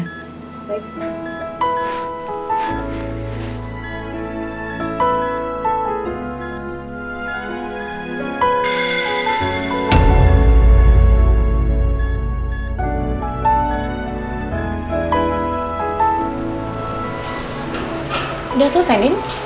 sudah selesai nin